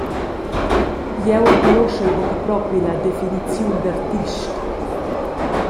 Jeu enconuschel buca propi la definiziun d’artist.